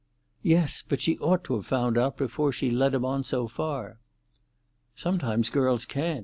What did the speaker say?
"Yes, but she ought to have found out before she led him on so far." "Sometimes girls can't.